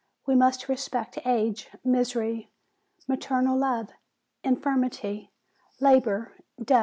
We must respect age, misery, maternal love, infirmity, labor, death.